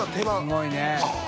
すごいね。